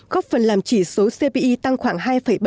góp phần làm chỉ số cpi tăng khoảng hai bảy